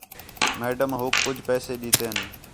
میڈم ہوک کُج پیسے ݙِتِن